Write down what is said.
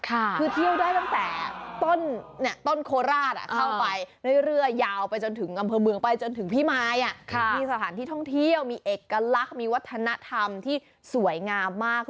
คือเที่ยวได้ตั้งแต่ต้นโคราชเข้าไปเรื่อยยาวไปจนถึงอำเภอเมืองไปจนถึงพี่มายมีสถานที่ท่องเที่ยวมีเอกลักษณ์มีวัฒนธรรมที่สวยงามมาก